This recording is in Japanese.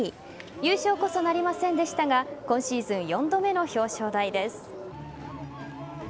優勝こそなりませんでしたが今シーズン４度目の表彰台です。